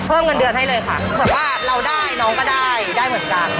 เพิ่มเงินเดือนให้เลยค่ะเผื่อว่าเราได้น้องก็ได้ได้เหมือนกัน